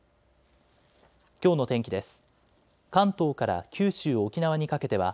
きょうの天気です。